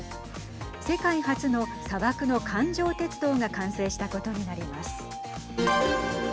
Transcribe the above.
世界初の、砂漠の環状鉄道が完成したことになります。